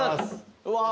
うわ。